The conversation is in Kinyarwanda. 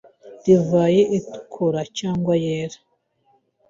divayi itukura cyangwa yera